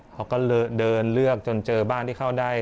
เขาก็เดินเลือกจนเจอบ้านที่เข้าได้